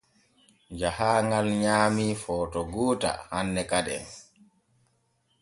Jahaaŋal nyaamii footo goota hanne kaden.